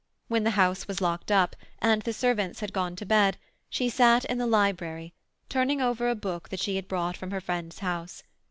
When the house was locked up, and the servants had gone to bed, she sat in the library, turning over a book that she had brought from her friend's house.